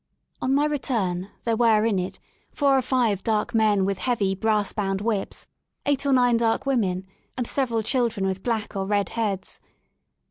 On my return there were in it four or five dark men with heavy, brass bound whips, eight or nine dark women, and several children with black or red heads.